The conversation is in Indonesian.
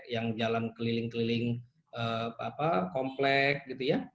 yang jalan keliling keliling komplek gitu ya